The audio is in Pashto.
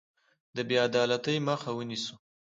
د بې عدالتۍ مخه ونیسو.